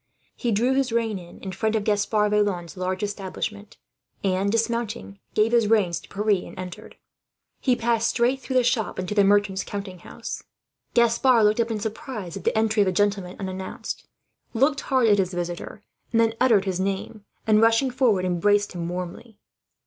He drew rein in front of Gaspard Vaillant's large establishment and, dismounting, gave his reins to Pierre and entered. He passed straight through the shop into the merchant's counting house. [Illustration: Gaspard Vaillant gets a surprise.] Gaspard looked up in surprise, at the entry of a gentleman unannounced; looked hard at his visitor, and then uttered his name and, rushing forward, embraced him warmly.